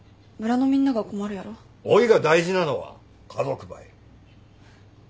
おぃが大事なのは家族ばい。